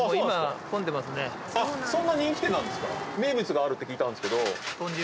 そんな人気店なんですか？って聞いたんですけど。